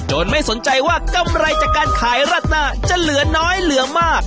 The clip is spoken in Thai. ไม่สนใจว่ากำไรจากการขายราดหน้าจะเหลือน้อยเหลือมาก